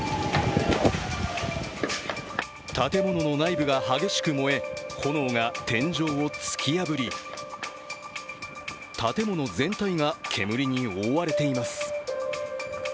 建物の内部が激しく燃え炎が天井を突き破り、建物全体が煙に覆われています。